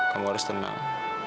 kamu harus tenang